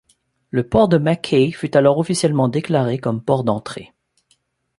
Le Port de Mackay fut alors officiellement déclaré comme port d'entrée.